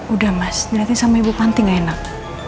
udah mas nanti sama ibu panting gak enak